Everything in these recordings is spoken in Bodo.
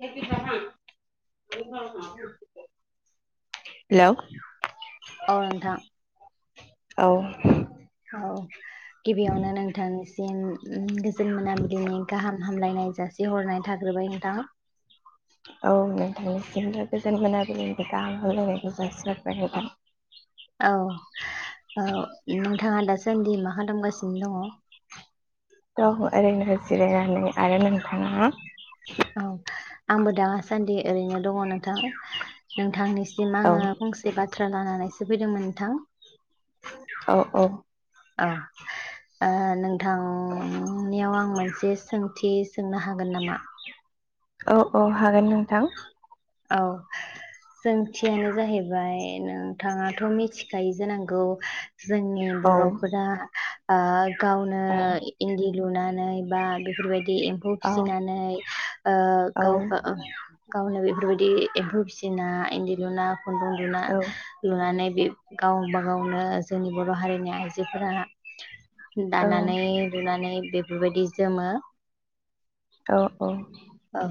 [inaudible] हेल अ नोंथां। औ। [inaudible] औ। गिबियावनो नोंथांनिसि सिम। उम गोजोन मोना बिलिनि गाहाम हामलायनाय [unintelligible] हरनाय थाग्रोबाय नोंथां। नोंनिसिमबो गोजोन मोनाबिलिनि गाहाम हामलायनायखौ जासिहरबाय नोंथां। औ औ नोंथाङा दासान्दि मा खालामगासिनो दङ? औ ओरैनो जिरायनानै आरो नोंथाङा? औ। आंबो दासान्दि ओरैनो दङ नोंथां नोंथांनिस सिम औ आङो फंसे बाथ बाथ्रा लानानैसो फैदोंमोन नोंथां। औ औ औ ओ नोंथ थां नियाव आं मोनस बे सोंथि सोंनो हागोन नामा? औ औ हागोन नोंथां। औ सोंथियानो जाहैबाय नोंथाङाथ' मिथिखायो जानांगौ? जोंनि औ बर'फोरा ओ गावनो औ इ इन्दि लुनानै बा बेफोरबायदि एम्फौ औ फिसिनानै ओ औ गावखो ओ गावनो बेफ दि एम्फौ भिसिना इन्दि लुना खुन्दुं लुना औ लुनानै बे गावबा गावनो जोंनि बर' हारिनि आइजोफोरा औ दानानै लुनानै बेफोरबायदि जोमो औ औ औ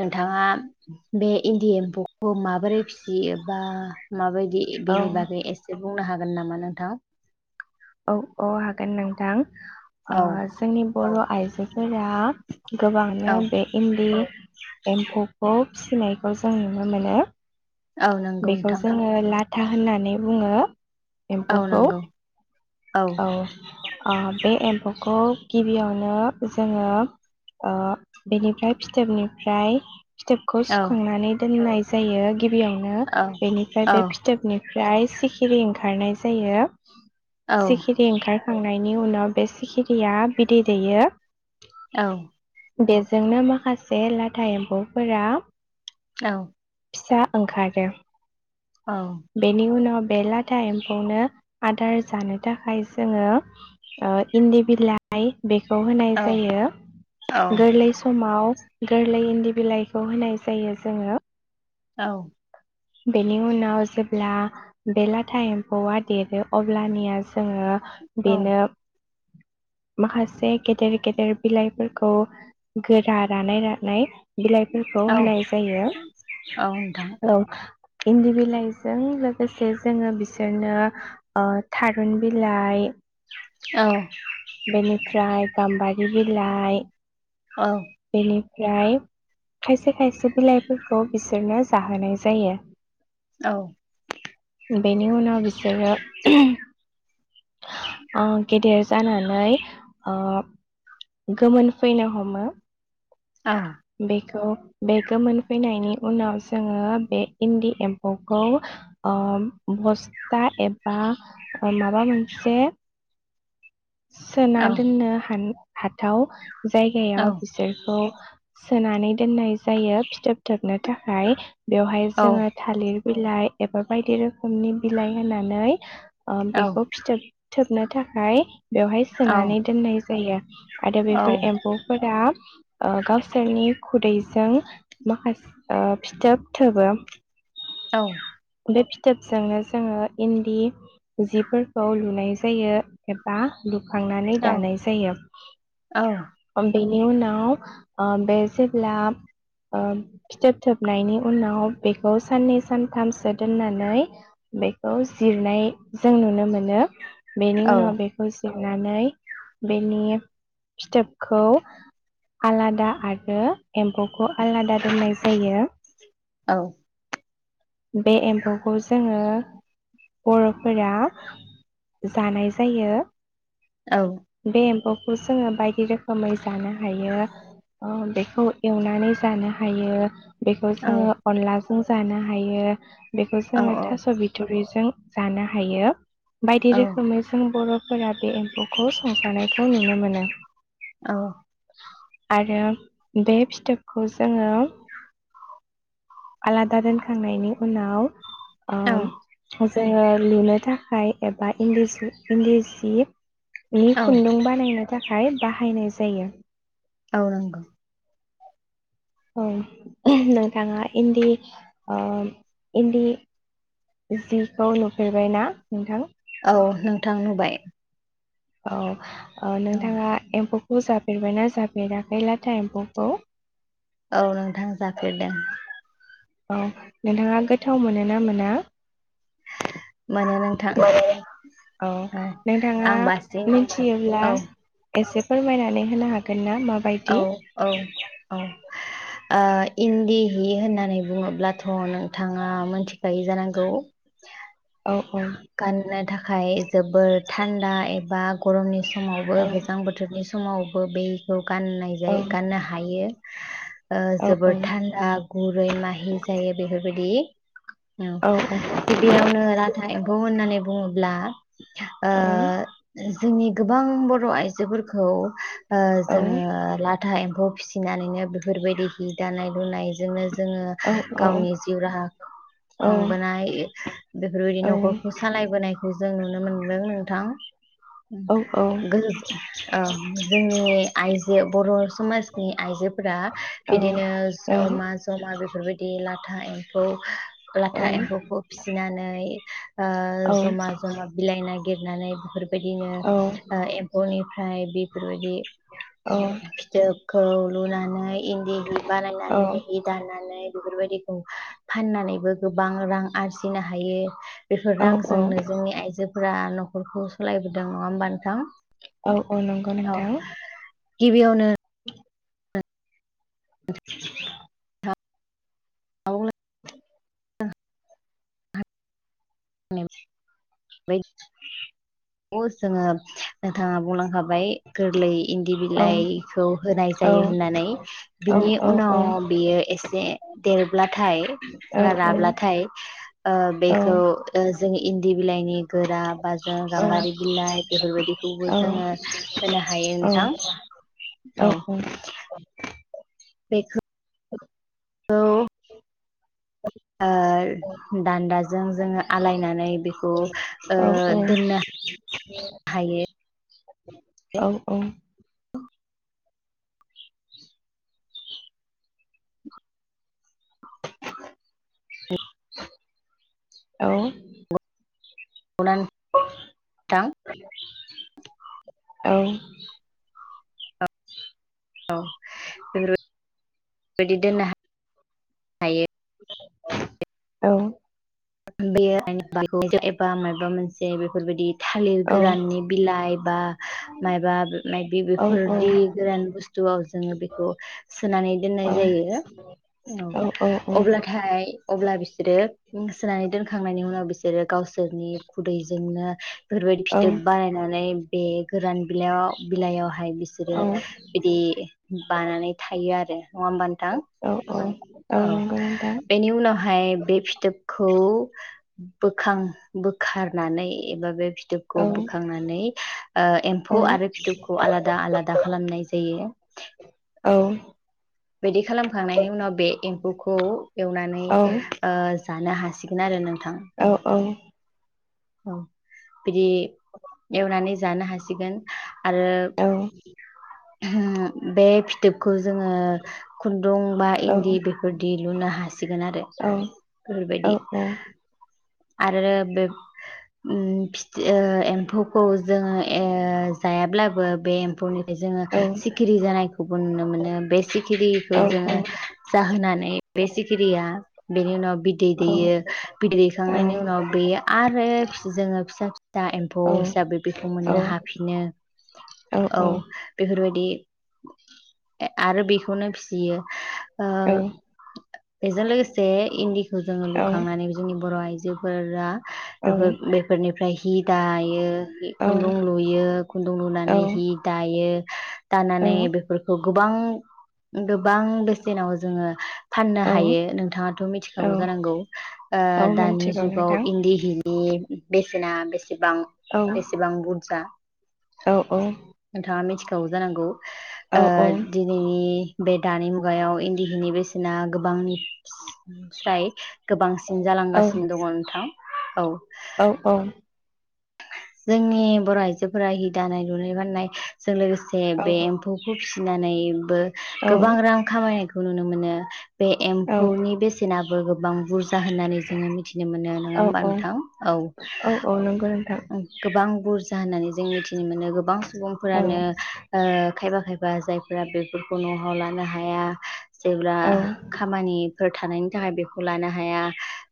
नोंथाङा बे इन्दि एम्फौखौ माबोरै फिसियो बा माबायदि बे औ बेनि बागै एसे बुंनो हागोन नामा नोंथां? औ अ हागोन नोंथां। अ औ जोंनिम बर' आइजो फोरा गोबांनो औ बे इन्दि एम्फौखौ फिसिनायखौ जों नुनो मोनो। औ नंगौ बेखौ नोंथां जोङो लाथ था होननानै बुङो। औ एम्फौखौ नंगौ औ ओ बे एम्फौखौ गिबियावनो जोङो ओ बेनिफ्राय फिथोबनिफ्राय फिथोबखौ औ सुखांनानै दोननाय जायो। गिबियावनो औ बेनिफ्राय औ बे फिथोबनि फ्राय सिखिरि ओंखारनाय जायो। सिखिरि ओंखार खांनायनि उनाव बे सिखिरिया बिदै दैयो। औ बेजोंनो माखासे लाथा एम्फौ फोरा औ फिसा ओंखारो। औ बेनि उनाव बे लाथा एम्फौनो आदार जानो थाखाय जोंङो ओ इन्दि बिलाइ बेखौ होनाय औ जायो, गोरलै समाव गोरलै इन्दि बिलाइखौ होनाय जायो जोंङो। औ बेनि उनाव जेब्ला बे लाथा एम्फौआ देरो अब्ला निया जोंङो बेनो माखासे गेदेर गेदेर बिलाइफोरखौ गोरा रानाय रानाय बिलाइफोरखौ औ होनाय जायो, औ नोंथां औ इन्दि बिलाइजों लोगोसे जोंङो बिसोरनो ओ थारुन बिलाइ औ बेनिफ्राय गाम्बारि बिलाइ औ फ्राय खायसे खायसे बिलाइफोरखौ बिसोरनो जाहोनाय औ जायो। बेनि उनाव बिसोरो अ गेदेर जानान नै ओ गोमोन फैनो हमो। औ बेखौ बे गोमोन फैनायनि उनाव जोंङो बे इन्दि एम्फौखौ ओ बस्था एबा माबा मोनसे औ सोना दोननो हान हाथाव औ जायगायाव बिसोरखौ सोनानै दोननाय जायो फिथोब थोबनो थाखाय बेवहाय जोंङो थालिर बिलाइ एबा बायदि रोखोमनि बिलाइ होनानै ओ बेखौ फिथोब थोब नो थाखाय बेवहाय सोनानै दोननाय जायो, आरो बेफोर एम्फौ फोरा ओ गावसोरनि खुदैजों माखास ओ फिथोब थोबो। औ। बे फिथोबजोंनो जोङो इन्दि जिफोरखौ लुनाय जायो एब बा लु खांनानै दानाय जायो। औ बिनि उनाव ओ बे जेब्ला ओ फिथोब थोबनायनि उनाव बेखौ साननै सानथामसो दोननानै बेखौ जिरनाय जों नुनो मोनो। बेनि उनाव बे जिरनानै बेनि फिथोबखौ आलादा आरो एम्फौखौ आलादा दोननाय जायो। बे एम्फौखौ जोङो बर'फोरा जानाय जायो। बे एम्फौ खौ जोङो बायदि रोखोमै जानो हायो ओ बेखौ एवनानै जानो हायो। बेखौ जोङो अनला जों जानो हायो। बेखौ औ जोङो थास' बिथ'रिजों जानो हायो। बायदि औ औ रोखोमै जों बर' फोरा बे एम्फौखौ संजानायखौ नुनो मोनो औ। आरो बे फिथोबखौ जोङो आलादा दोनखांनायनि उनाव औ ओ जोङो लुनो थाखाय एबा इन्दिसि इन्दि जि बे औ खुन्दुं बानायनो थाखाय बाहायनाय जायो। औ नंगौ। औ नोंथाङा इन्दि ओ इन्दि जिखौ नुफेरबायना नोंथां? औ नोंथां नुबाय। औ। ओ औ नोंथाङा एम्फौ एम्फौ जाफेरबायना जाफेराखै लाथा एम्फौखौ? औ नोंथां जाफेरदों। औ नोंथाङा गोथाव मोनो ना मोना? मोनो नोंथां औ नोंथाङा आं बासिं मिथियोब्ला औ एसे फोरमायनानै होनो हागोन ना? औ माबायदि? औ औ। ओ इन्दि हि होननानै बुङोब्लाथ' नोंथाङा मोनथिखायो जानांगौ। औ गाननाय थाख [unintelligible] जोबोर थान्दा एबा गरमनि समावबो औ गोजां बोथोरनि सम समावबो बेखौ गाननाय औ जायो गाननो हायो। [inaudible] ओ औ जोबोर थान्दा गुरै माहि जायो बेफोर बिदि औ गिबियावनो लाथा एम होननानै बुङोब्ला ओ औ जोंनि गोबां बर' आइजोफोरखौ ओ औ जोङो लाथा एम्फौ फिसिनानैनो बेफोरबायदि हि दानाय लुनायजोंनो जोङो औ औ गावनि जिउ राहा खांबोनाय बेफोरबायदि न'खर सालाय बोनायखौ जों नुनो मोनदों नोंथां। गोज ओ जोंनि आइजो बर' समाजनि आइजोफोरा बिदिनो ज'मा ज'मा बेफोरबायदि ला था एम्फौ औ लाथा एम्फौखौ फिसिनानै ओ औ ज'मा ज'मा बिलाइ नाय गिरनानै बेफोर बायदिनो औ ओ एम्फौनि ओमफ्राय बेफोरबायदि फिथोबखौ लुनानै इन्दि हि बानायनानै हि दानानै बेफोरबायदिखौ फाननानैबो गोबां रां आरजिनो हायो। बेफोर औ औ रांजोंनो जोंनि आइजो फोरा न'खरखौ सलायबोदों, नङा होमबा नोंथां? औ औ नंगौ नोंथां। गिबियावनो [inaudible] गिबियावनो [unintelligible] बै औ जोङो नोंथांङा बुंलांखाबाय गोरलै इन्दि औ बिलाइखौ होनाय औ जायो होननानै औ बिनि औ उनाव औ बियो एसे। दे। लाथाय औ औ राब्लाथाय बेखौ जों इन्दि बिलाइनि गोरा बाजों। गाम्बारि बिलाइ बेफोरबायदिखौबो जोङो होनो हायो नोंथां औ। बेखौ। [inaudible] ओ दान्दाजों जोङो आलायनानै बेखौ ओ दोननो हायो। औ-औ। [inaudible] औ नंगौ ना नोंथां औ। औ बेफोरबाय बेबायदि दोननो हायो। औ। बे एबा माबा मोनसे बेफोरबायदि। थालिर गोराननि बिलाइ बा माबा मायबि बेफोरदि गोरान बुस्थुआव जोङो बेखौ सोनानै दोननाय जायो औ अब्लाथाय अब्ला बिसोरो। सोनानै दोनखांनायनि उनाव बिसोरो। गावसोरनि खुदैजोंनो। [inaudible] बेफोरबायदि फिथोब बानायनानै बे गोरान बिलाइयाव बिलाइयावहाय बिसोरो बिदि बानानै थायो आरो। नङा होनबानोथां औ नंगौ नोंथां बेनि उनावहाय बे फिथोब। खौ। बोखां बोखारनानै एबा बे। औ फिथोबखौ बोखांनानै औ एम्फौ आरो फिथोबखौ आलादा आलादा खालामनाय जायो औ औ बिदि खालामखांनायनि उनाव बे एम्फौखौ एवनानै जानो हासिगोन आरो नोंथां औ बिदि एवनानै जानो हासिगोन आरो बे फिथोबखौ जोङो खुन दुं बा इन्दि बेफोरदि लुनो हासिगोन आरो बेफोरबायदि आरो बे ओम फिथो एम्फौखौ जोङो जायाब्लाबो बे एम्फौनिफ्राय जोङो औ सिखिरि जानायखौबो नुनो मोनो बे सिखिरिखौ जोङो जाहोनानै बे सिखिरिया बेनि उनाव बिदै दैयो बिदै दैखांनायनि उनाव बेयो आरो फ्राय जोङो फिसा फिसा एम्फौ हिसाबै बेखौ औ मोननो हाफिनो औ बे बेबायदि आरो बेखौनो फियो। ओ बेजों लोगोसे इन्दि खौ जोङो लुखांनानै जोंनि बर' आइजो जोफोरा बेफोर बेफोरनि फ्राय हि दायो। खुन्दुं औ-औ-औ-औ-औ-औ-औ-औ-औ-औ-औ-औ लुयो खुन्दुं लुनानै हि दायो। दानानै बेफोरखौ गोबां गोबां बेसेनाव जोङो फाननो हायो नोंथाङाथ' मिथिखागौ जानांगौ दानि मिथिगौ जुगाव नोंथां इन्दि बेसेना बेसे? सेबां बेसेबां बुरजा नोंथाङा मिथि गौ जानांगौ ओ दिनै बे दानि मुगायाव इन्दि हिनि बेसेना गोबांस्राय गोबांसिन जालांगासिनो दङ नोंथां। औ। औ औ। जोंनि बर' आइजोफोरा हि दानाय लुनाय फान्नाय जों लोगोसे बे एम्फौखौ नानै बो गोबां रां खामायनाय खौ नुनो मोनो। बे एम्फौनि बेसेनाबो गोबां बुरजा होननानै जोङो मिथिनो मोनो नङा होमबा नोंथां औ। नंगौ नोंथां गोबां बुरजा होननानै जों मिथि नो मोनो गोबां सुबुंफोरानो ओ खायफा खायफा जायफोरा बेफोरखौ न'हाव लानो हाया जेब्ला खामानि फोर थानायनि थाखाय बेखौ लानो हाया।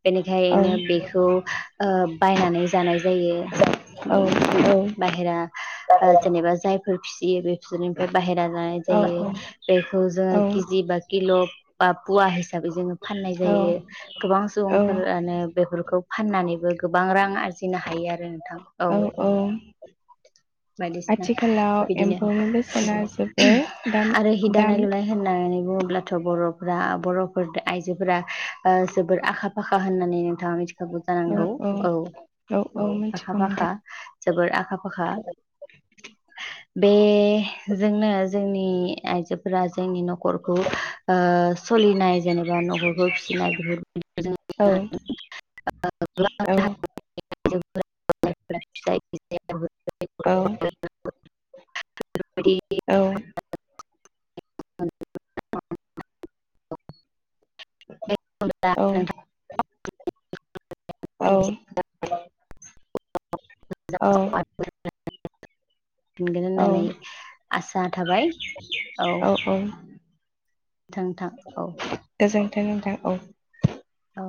बेनिखायनो औ-औ-औ-औ-औ-औ-औ-औ-औ बेखौ ओ बायनानै जानाय जायो। उम बाहेरा ओ जेनेबा जाय फोर फिसियो बे बेसोरनिफ्राय बाहेरा जानाय जायो बेखौ जोङो केजि बा किल' बा पुवा हिसाबै जोङो फाननाय जायो गोबां सुबुंफोरानो बेफोरखौ फाननानैबो गोबां रां आरजिनो हायो आरो। औ औ बायदिसिना आथिखालाव बिदिनो एम्फौनि बेसेना जोबोर दाम दाम थ' बर'फोरा बर'फोर आइजोफोरा ओ जोबोर आखा फाखा होननानै नोंथाङा मिथिखागौ जानांगौ औ। औ-औ-औ-औ आखा मिथिगौ फाखा नोंथां जोबोर आखा फाखा। बे जोंनो जोंनि आइजोफोरा जोंनि न'खरखौ ओ सलिनाय जेनेबा न'खरखौ फिसिनाय बेफोरनो हारिनि [unintelligible] [unintelligible] औ। [unintelligible] औ। [unintelligible] [unintelligible] [unintelligible] औ। औ। फिनगोन औ होननानै आसा थाबाय औ। थां थां औ। नोंथां नोंथां औ। औ